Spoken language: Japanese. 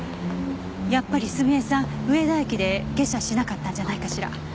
やっぱり澄江さん上田駅で下車しなかったんじゃないかしら？